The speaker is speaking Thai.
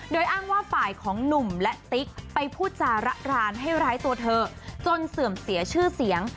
โดยอ้างว่าฝ่ายของหนุ่มและติ๊กไปพูดจาระรานให้ร้ายตัวเธอจนเสื่อมเสียชื่อเสียง